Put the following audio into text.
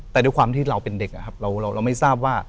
แต่ด้วยความที่เราเป็นเด็กนะครับเราไม่ทราบว่า